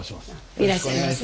いらっしゃいませ。